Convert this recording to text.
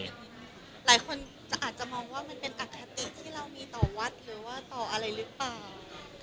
หลายคนอาจจะมองว่ามันเป็นอคติที่เรามีต่อวัดหรือว่าต่ออะไรหรือเปล่า